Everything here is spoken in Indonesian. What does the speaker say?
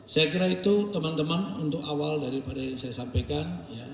saya kira itu teman teman untuk awal daripada yang saya sampaikan